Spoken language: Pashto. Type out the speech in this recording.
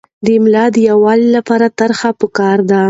د املاء د یووالي لپاره طرحه پکار ده.